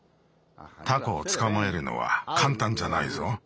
タコをつかまえるのはかんたんじゃないぞ。